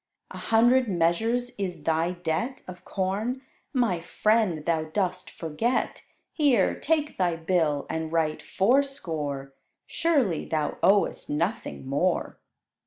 "A hundred measures is thy debt Of corn? My friend, thou dost forget: Here, take thy bill, and write fourscore; Surely thou owest nothing more."